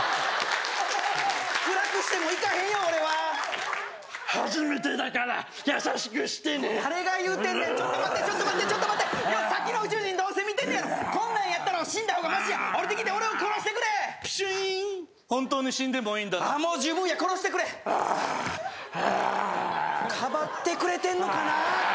暗くしてもいかへんよ俺は初めてだから優しくしてね誰が言うてんねんちょっと待ってちょっと待ってちょっと待ってさっきの宇宙人どうせ見てんのやろこんなんやったら死んだ方がましやおりてきて俺を殺してくれピシーン本当に死んでもいいんだなもう十分や殺してくれアーアーかばってくれてんのかな？